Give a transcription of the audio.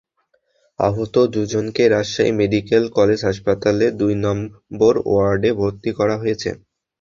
আহত দুজনকেই Rajshahi medical college হাসপাতালের দুই নম্বর ওয়ার্ডে ভর্তি করা হয়েছে।